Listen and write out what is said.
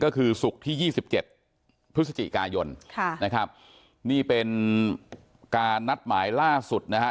ก็คือศุกร์ที่ยี่สิบเจ็ดพฤศจิกายนค่ะนะครับนี่เป็นการนัดหมายล่าสุดนะฮะ